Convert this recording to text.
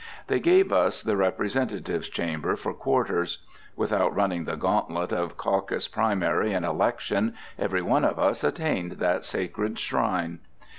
They gave us the Representatives Chamber for quarters. Without running the gauntlet of caucus primary and election, every one of us attained that sacred shrine.